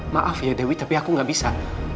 maaf ya dewi tapi aku gak bisa